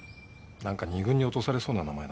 なんか２軍に落とされそうな名前だな。